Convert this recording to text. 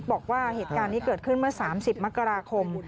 บอกว่าเหตุการณ์นี้เกิดขึ้นเมื่อ๓๐มกราคม